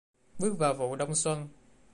bước vào vụ đông xuân